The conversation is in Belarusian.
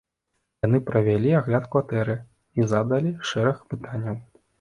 Яны правялі агляд кватэры і задалі шэраг пытанняў.